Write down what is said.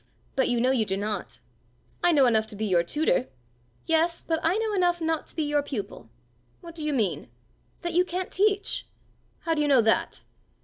But you know you do not." "I know enough to be your tutor." "Yes, but I know enough not to be your pupil!" "What do you mean?" "That you can't teach." "How do you know that?"